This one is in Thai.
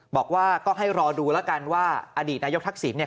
บอกว่าก็ให้รอดูแล้วกันว่าอดีตนายกทักษิณเนี่ย